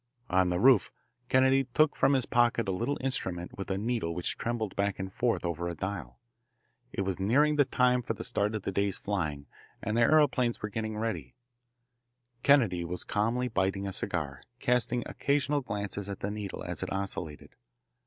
On the roof Kennedy took from his pocket a little instrument with a needle which trembled back and forth over a dial. It was nearing the time for the start of the day's flying, and the aeroplanes were getting ready. Kennedy was calmly biting a cigar, casting occasional glances at the needle as it oscillated.